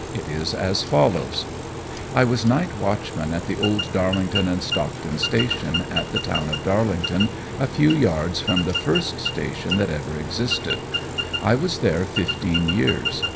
It is as follows: "I was night watchman at the old Darlington and Stockton Station at the town of Darlington, a few yards from the first station that ever existed. I was there fifteen years.